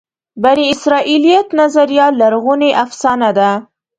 بني اسرائیلیت نظریه لرغونې افسانه ده.